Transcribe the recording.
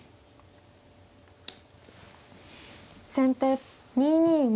先手２二馬。